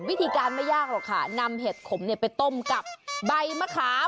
วิธีการไม่ยากหรอกค่ะนำเห็ดขมไปต้มกับใบมะขาม